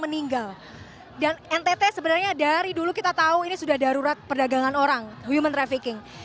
meninggal dan ntt sebenarnya dari dulu kita tahu ini sudah darurat perdagangan orang human trafficking